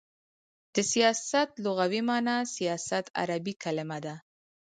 د سیاست لغوی معنا : سیاست عربی کلمه ده.